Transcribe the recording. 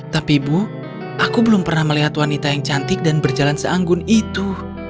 tapi bu aku belum pernah melihat wanita yang cantik dan berjalan seanggun itu